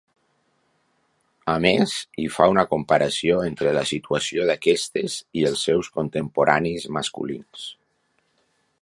A més, hi fa una comparació entre la situació d'aquestes i els seus contemporanis masculins.